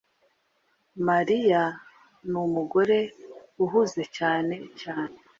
mariya numugore uhuze cyane cyane